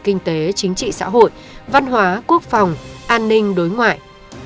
kinh tế chính trị xã hội văn hóa quốc phòng an ninh đối ngoại